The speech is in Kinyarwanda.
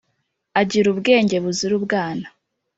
agira ubwenge buzira ubwana